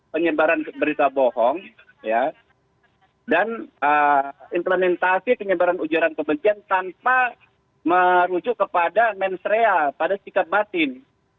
penyebaran berita bohong dan implementasi penyebaran ujaran kebencian tanpa merujuk kepada mensrea pada sikap batin